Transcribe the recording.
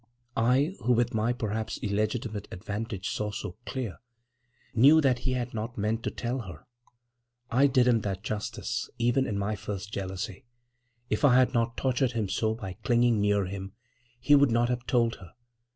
I, who with my perhaps illegitimate advantage saw so clear, knew that he had not meant to tell her: I did him that justice, even in my first jealousy. If I had not tortured him so by clinging near him, he would not have told her.